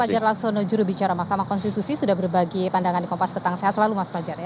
pak fajar laksono jurubicara mahkamah konstitusi sudah berbagi pandangan di kompas petang sehat selalu mas fajar ya